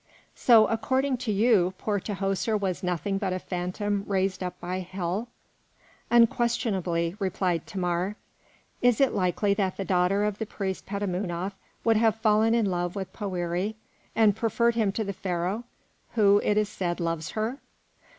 "So, according to you, poor Tahoser was nothing but a phantom raised up by hell?" "Unquestionably," replied Thamar. "Is it likely that the daughter of the priest Petamounoph would have fallen in love with Poëri and preferred him to the Pharaoh, who, it is said, loves her?"